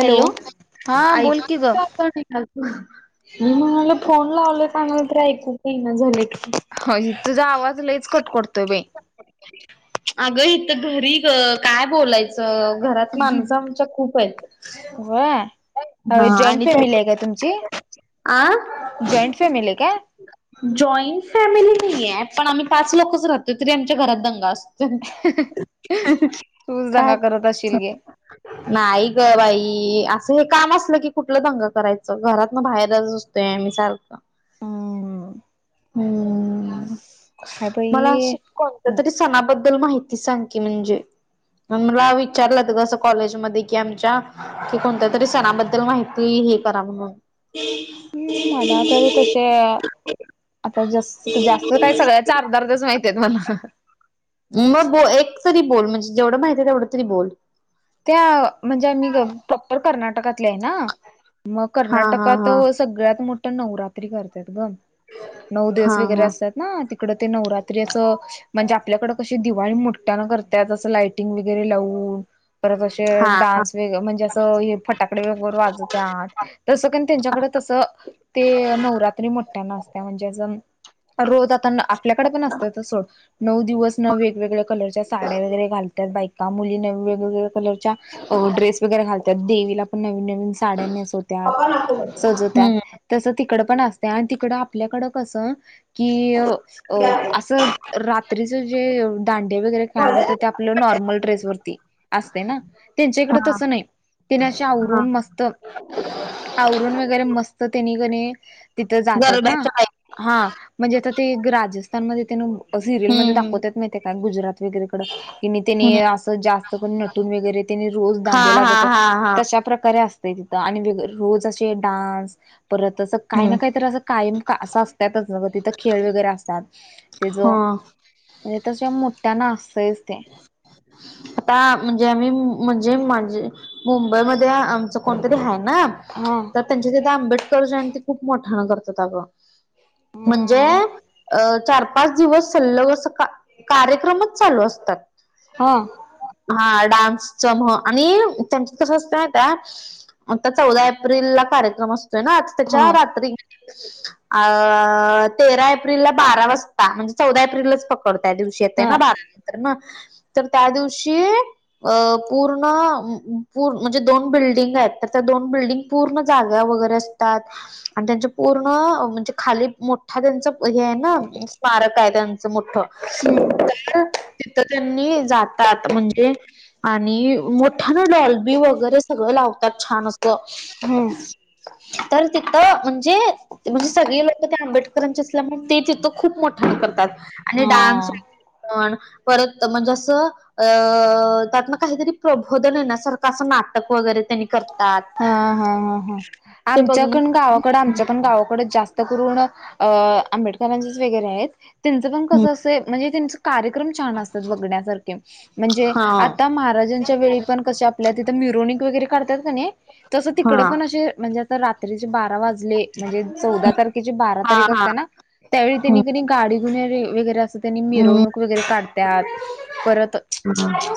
Hello हा बोल की ग ऐकता [unintelligible] मी म्हणाल फोन लावले चांगलं तरी ऐकू का येईना झाले की. ह होय तुझा आवाज लईच कट कडतोय बाई. अगं हिथं घरी गं काय बोलायचं. च घरात माणसं आमच्या खूप हेत. होय अ जॉईंट आणि फॅमिली त्यात आहे का तुमची? आ. जॉईंट फॅमिली हायं काय? जॉईंट फॅमिली नाही आहे पण आम्ही पाच लोकच राहतो तरी आमच्या घरात दंगा असतो. [inaudible] तूच दंगा करत असशील गे नाई. ग बाई असं हे काम असलं की कुठलं दंगा करायचं घरात ना बाहेरच असतोय आंमी सारख. हम्म हम्म काय मला अस. बाई कोणत्या तरी सणाबद्दल माहिती सांग की म्हणजे? मग मला विचारलंत असं कॉलेजमध्ये कि आमच्या कि कोणत्या तरी सणाबद्दल माहिती, हे करा म्हणून हम्म! मला तर तसे, आता जास्त काय सगळ्याचा अर्ध, अर्धच माहिती [unintelligible] मला. मग ब एक तरी बोल, म्हणजे जेवढं माहिती आहे तेवढं तरी बोल. त्या म्हणजे, आम्ही प्रॉपर कर्नाटकातल्या आहे ना, मग हा हा कर्नाटकात हा सगळ्यात मोठ नवरात्री करतात ग, नऊ दिवस वगैरे हा असतात. ना तिकड ते नवरात्री असं म्हणजे आपल्याकडं कशी दिवाळी मोठयानं करत्यात, असं लाइटिंग वगैरे लावून परत अशे हा हा डान्स वेग म्हणजे असं फटाकडे वगरे वाजवत्यात, तसं का नाही त्यांच्याकड तसं ते नवरात्री मोठ्याना असत्या, म्हणजे अस रोज आता, आपल्याकड पण असत्यातच सोड. नऊ दिवस न वेगवेगळ्या कलरच्या साड्या वगैरे घालतात बायका, मुली न वेगवेगळ्या कलरच्या अ ड्रेस वगैरे घालत्यात, देवीला पण नवी-नवीन साड्या नेसवत्या. हा हम्म! तसं तिकड पण असतय, आणि तिकड आपल्याकडं कसं की अ हा असं रात्रीच जे दांडे वगैरे खेळला जात्यात ते आपलं नॉर्मल ड्रेसवररती असतय ना, त्यांच्याकड तस नाही, तेंनी असं हा आवरून मस्त आवरण वगैरे मस्त त्यांनी का नई तिथं जातात ना, गरब्याच्या टाईप हा, म्हणजे आता ते राजस्थानमध्ये त्या सिरियल मध्ये हम्म दाखवत्यात माहिती हाय काय, तेनी गुजरात वगैरेकडं कि त्यानी हम्म असं जास्त करून नटून वगैरे, त्यांनी रोज हा दांडियाला हा जात्यात. हा हा अशा प्रकारे असतय तिथं, रोज असे डान्स परत अस काही हम्म ना काही अस कायम असं असत्यातच, तिथं खेळ वगैरे असतात, ते ज हा म्हणजे तशि मोठ्याना असतंयच ते.. आता म्हणजे, आम्ही म्हणजेे, मुंबईमध्ये कोणतरी आहे ना, हा तर त्यांच्या तिथं आंबेडकर जयंती खूप मोठ्यानं करतात अगं. म्हणजे अ चार पाच दिवस सल्लग अस, कार्यक्रमच चालू असतात. हा. हा, डान्सच म, आणि त्यांचं कसं असतय माहिती आहे आता चौदा एप्रिलला कार्यक्रम असतोय ना, तर हा त्याच्या रात्री अ तेरा एप्रिलला बारा वाजता, म्हणजे चौदा एप्रिललाच पकडता दिव येते हा ना बारा नंतर मग, तर त्या दिवशी अ पूर्ण म्हणजे, दोन बिल्डिंग आहेत, तर त्या दोन बिल्डिंग पूर्ण जागा वगैरे असतात, आणि त्यांच्या पूर्ण म्हणजे खाली हा, त्यांच हे आहे ना, स्मारक आहे त्यांच मोठ. हम्म तर तिथं त्यांनी जातात म्हणजे, आणि मोठ्याने डॉल्बी वगैरे सगळं लावतात, छान असं. हम्म तर तिथं म्हणजे, म्हणजे सगळे ल आंबेडकरांचे असल्यामूळ ते तिथं खूप मोठ्याने करतात, आणि डान्स हा पण, परत म्हणजे असं अ त्यात म काहीतरी प्रबोधन येण्यासारखं, असं नाटक वगैरे त्यांनी करत हा हा हा हा, ते आमच्या बघण पण गावाकड, आमच्या पण गावाकडे जास्त त्या करून अ आंबेडकरांचेच वगैरे हायेत, त्यांचं पण कसं असतय म्हणजे त्यांच कार्यक्रम छान असत्यात बघण्यासारखे म्हणजे हा आता महाराजांच्या वेळी पण कशा आपल्या तिथं मिरोनिक वगैरे काढत्यात कनी, तसं हा तिकड पण असे म्हणजे आता रात्रीचे बारा वाजले म्हणजे चौदा तारखेची बारा तारीख हा असत्या ना? त्यावेळी हा तेनी कणी गाडी [unintelligible] वगैरे अस. त्यांनी हम्म मिरवणूक वगैरे काढत्यात, परत हं.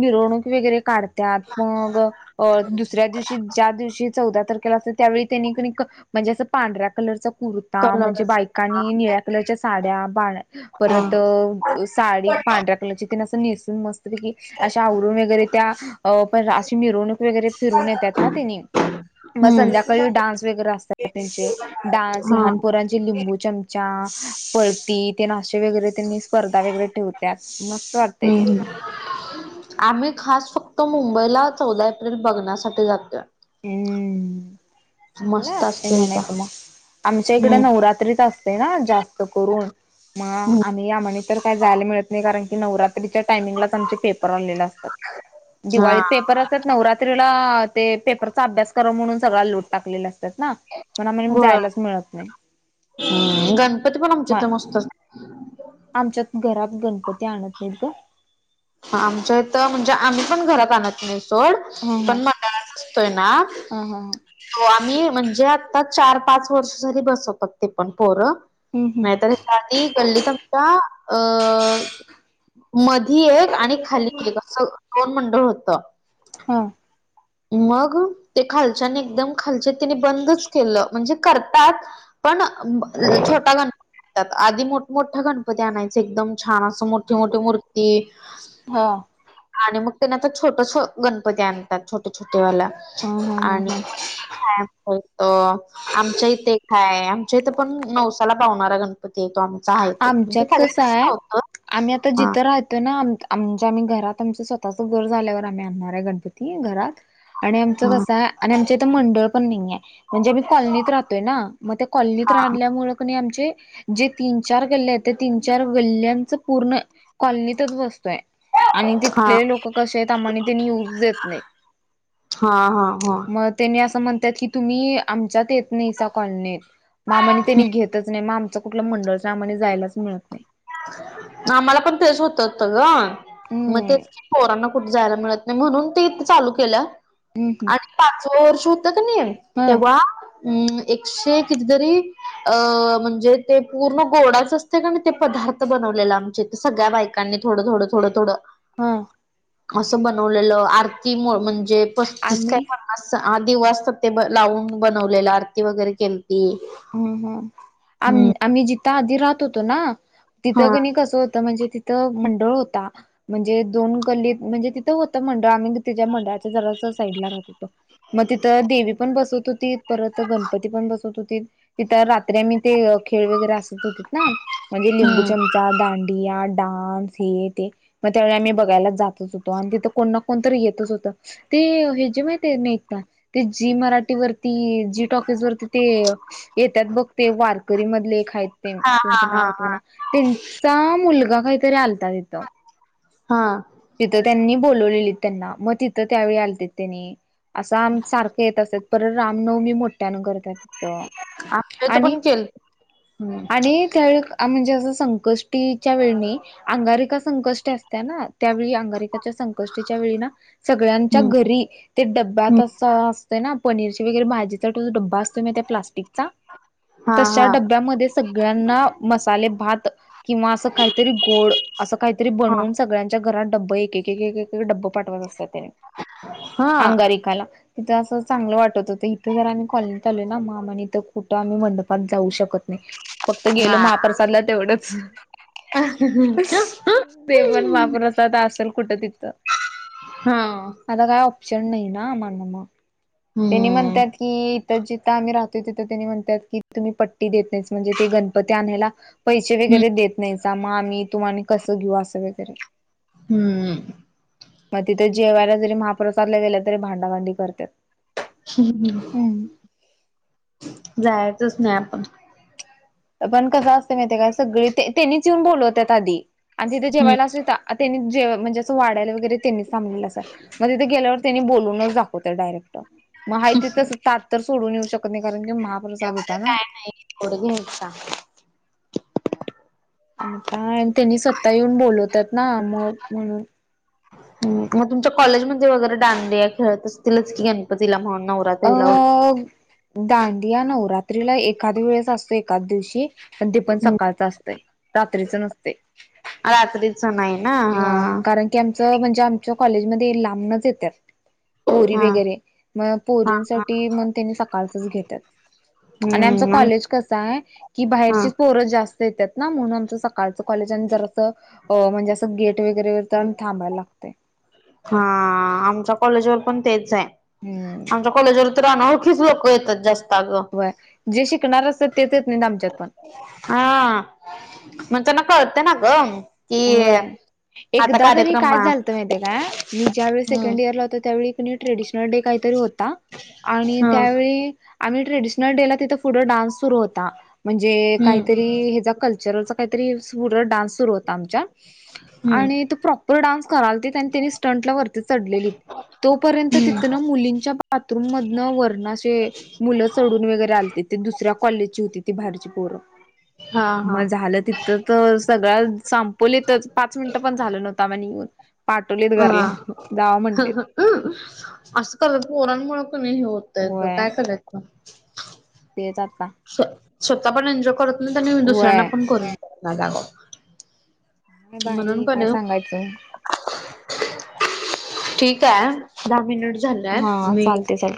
मिरवणूक वगैरे काढ त्यात मग अ. दुसऱ्या दिवशी ज्या दिवशी चौदा तारखेला आस त्यावेळी तेनी कणी क म्हणजे असं पांढऱ्या कलरचा कुर्ता म्हणजे कलरच बायकांनी निळ्या कलरच्या साड्या, बाळा हा परत अ साडी पांढऱ्या कलरची तेन आसं नेसून मस्त पैकी, अशा आवरुण वगैरे त्या अ पण अशी मिरवणूक वगैरे फिरवून येत्यात ना तेनी. म हम्म संध्याकाळी डान्स वगैरे असतात त्यांचे. डान्स, हा लहान पोरांचे लिंबू चम च्या, पळती तेन आशे वगैरे तेनी स्पर्धा वगैरे ठेवत्यात, मस्त वाटतय ते. हम्म आम्ही खास फक्त मुंबईला चौदा एप्रिल बघण्यासाठी जातोय. हुं. चांगला मस्त वाटतय असते तिथं म्हणायच मग, आमच्या इकडे हम्म नवरा त्रीत असतय ना जास्त करून? मग हम्म. आम्ही आम्हाला तर काय जायला मिळत नाही, कारण की नवरात्रीच्या टायमिंगलाच आमचे पेपर आलेले असतात. हा दिवाळीत पेपर असतात. नवरात्रीला ते पेप रचा अभ्यास म्हणून सगळा लोड टाकलेला असतात ना म्हणून जायलाच मिळत नाही. हं गणपती पण आमच्या म इथ मस्त अस आमच्यात घरात गणपती आणत नाहीत ग. आमच्या इथं म्हणजे आम्ही पण घरात आणत नाही सोड, हा पण मंडळाचा असतोय ना? हा हा हा. हो आम्ही म्हणजे आता चार, पाच वर्ष झाली बसवतात ते पण पोरं. हम्म हम् नाहीतर हेच्या आधी गल्लीत आमच्या अ मधी एक आणि खाली एक असं दोन मंडळ होत. हा. मग ते खालच्यानी, एकदम खालचे हायीत तेनी बंदच केलं म्हणजे करतात पण ब अ छोटा गणपती आणत्यात, आधी मोठमोठा गणपती आणायचे, एकदम छान असं मोठी मोठी मूर्ती हा. आणि मग तेनी आता छोट छो गणपती आणतात, छोटे छोटे वाल. ह ह ह ह. हाय आमच्या इथ, आमच्या इथे एक हाय, आमच्या इथ पण, नवसाला पावणारा गण पती ये तो आमचा हाय तो, आमच्यात सगळ्यांनाच पावतो. हा. ऱ्हायतो ना आमचा. आमच्या आम्ही घरात, आमच स्वतःच घर झाल्यावर आम्ही आणणार हाय गणपती घरात. आणि आमचं हा कसं हाय आणि आमच्या इथं मंडळ पण नाही हाय. म्हणजे आम्ही कॉलनीत राहतोय ना? मग त्या कॉलनीत हा राहील्यामुळे आमचे जे तीन चार गल्ल्या आहेत, त्या तीन, चार गल्ल्यांच पूर्ण कॉलनीतच बसतोय. आणि हा तिथले लोक कसे आहेत, आम्हाला तेनी येवुच देत नाही, हा हा हा मग तेनी असं म्हणत्यात की, तुम्ही आमच्यात येत नाईसा कॉलनीत, मा मा नी तेनी घेतच नाही, मग आमच कुठला मंडळ? जे आम्हाला जायलाच मिळत नाही. आम्हाला पण तेच होत होत ग. मग हम्म तेच की पोरांना कुठ जायला मिळत म्हणून ते चालू केलं. हम्म हम्म आणि पाचव वर्ष होतं का नाही हा तेव्हा, अम् एकशे कितीतरी अ म्हणजे ते पूर्ण गोडाच असते कणी ते पदार्थ बनवलेला. आमच्या इथ सगळ्या बायकांनी थोडं थोडं थोडं थोडं. हा. असं बनवलेलं आरती मोल्ड म्हणजे पस्तीस आम्ही काय असा हा दिवा असतात ते लावून बनवलेला आरती वगैरे केलती. हं हं आम हम्म आम्ही जिथे आधी राहत होतो ना. हा तिथं कणी कसं होतं म्हणजे तिथं मंडळ होता. म्हणजे दोन गल्लीत म्हणजे तिथं होतं मंडळ आम्ही तिच्या मंडळाच्या जरास साईडला राहत होतो. मग तिथं देवी पण बसत होती. परत गणपती पण बसत होतीत. तिथं रात्री आमी ते खेळ वगैरे असत होतेत ना. म्हणजे लिंबू हम्म चम चा, दांडीया, डान्स हे ते. मग त्यावेळी आम्ही बघायलाच जातच होतो. आणि तिथं कोण ना कोणतर येतच होतं. ते हे जे माहित आहे का नेता ते जी मराठीवरती जी टॉकीज वरती ते येतात बघ ते वारकरी मधले आहेत ते हा हा त्यांचं हा नाव आठवना. त्यांचा मुलगा काहीतरी आलता तिथं,? हा. तिथं त्यांनी बोलवलेली त्यांना. मग तिथं त्यावेळी आलतीत त्यांनी. असं आम सारखं येत असतात. परत रामनवमी मोठ्यान करतात तिथं. हा आमच्या इथं आणि पण केलती हम्म आणि त्यावेळी म्हणजे असं संकष्टीच्या वेळ मी. अंगारिका संकष्ट असत्या ना. त्यावेळी अंगारिकाच्या संकष्टीच्या वेळी ना, सगळ्यांच्या हम्म हम्म घरी ते डब्यात अस. तय ना. पनीरची वैगरे भाजीचा आणि त्यांच्यात डबा असतो म त्या प्लास्टिकचा हा तश्या हा डब्यामध्ये सगळ्यांना मसाले भात किंवा असं काहीतरी गोड अस काहीतरी बनवून सगळ्यांनी च्या घरात डबा एक एकेक डबा पाठवत असत्यात. त्याने हा अंगारिकाला, तिथं असं चांगलं वाटत होतं इथ जर आम्ही कॉलनीत आलो ना मग आम्हांला इथं. कुठं आम्ही मंडपात जाऊ शकत नाही फक्त गेलो महाप्रसादला तेवढंच. ह ह ह. ते पण वापरस आत असेल कुठं तिथं. हा. आता काही ऑप्शन नाही ना. म्हण आणि मग त्यांनी हम्म म्हणतात की इथं जिथं आम्ही राहतो तिथ. म्हणतात की तुम्ही पट्टी देत नाही म्हणजे ते गणपती आणायला पैसे वगैरे देत नाही. मग आम्ही तुम्हा कसं घेऊ असं वगैरे. हम्म मग तिथे जेवायला जरी महाप्रसादला गेल्या तरी भांडाभांडी करतात ह जायचंच नाही आपण. पण कसं असतें माहित आहे काय, ते सगळी तेनीच येऊन बोलवतात आधी आणि तिथे जेवायला असे त्यांनी जे म्हणजे असं वाढायला वगैरे त्यांनीच सांगीतल असं. मग तीथ गेल्यावर त्यानी बोलूनच दाखवत्यात डायरेक्ट. मग आहे तीथच तस ताट तर सोडून येऊ शकत नाही. कारण की महाप्रसाद एवढं होता ना. काय [unintelligible] आणि काय त्यांनी स्वता येऊन बोलवतात ना. मग म्हणून, म तुमच्या कॉलेजमध्ये वगैरे दांडीया खेळत असतीलच की गणपतीला म्हण नवरात्रीला वैग हो दांडीया नवरात्रीला एखादया वेळेस असत. एखाद दिवशी पण ते पण वगैरे सकाळच असतंय रात्रीच नसतय रात्रीच नाही ना? हा कारण की आमचं म्हणजे आमच्या कॉलेजमध्ये लांबूनच येत्यात पोरी हा वगैरे म हा हा पोरींसाठी मग त्यांनी सकाळचाच घेतात आणि आमचं हम्म कॉलेज कसंय कि हा बाहेरचीच पोरं जास्त येतात ना म्हणून आमच सकाळचं कॉलेज आणि जर असं म्हणजे अस गेट वगैरेर थांबायला लागतंय हा आमच्या कॉलेजवर पण तेचय हम्म आमच्या कॉलेजवर तर अनोळखीच लोकंयत पण जास् व्हय जे शिकणार असत तेच येत नाहीत ना आमच्यात पण हा म्हणतान कळते ना ग? कि व्हय आता कार्यक्रम का मी ज्यावेळी सेकंड इयर ला होते. त्यावेळी न्यू ट्रॅडिशनल डे काहीतरी होता आणि हा त्यावेळी आम्ही ट्रॅडीशन डे ला तिथ पुढं डान्स सुरु होता म्हणजे हम्म काहीतरी ह्याचा कल्चरचा काहीतरी पुढ डान्स सुरू होतं आमच्या हम्म आणि ते प्रॉपर डान्स करालतीत आणि त्यानी स्टंटला वरती चढलेली तोपर्यंत हम्म तिथंन मुलींच्या बाथरूम मधंन वरन अशे मुलं चढून वगैरे आलती ती दुसऱ्या कॉलेजची होती ती बाहेरची पोरं हा हा मग झालं तितक तर सगळा सांपोलीतच पाच मिनिटं पण झालं नव्हता म येऊन पाठवलेत घरला जावा म्हणलेत हं असंत ग पोरांमुळे कणे, हे होतय होय काय करायच? तेच आता स्व स्वतः पण एन्जॉय करत नाहीत आणि दुसऱ्यांना व्हय पण करून देत नायत आग काय म्हणून बाई काय कणय सांगायचं ठीकाय दहा मिनिट झाल्यात हा मी चालते चालते.